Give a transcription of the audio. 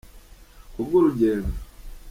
Kubw urugendo